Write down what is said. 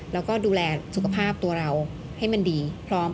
แล้วก็ดูแลสุขภาพตัวเราให้มันดีพร้อม